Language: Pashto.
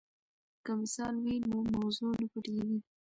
که مثال وي نو موضوع نه پټیږي.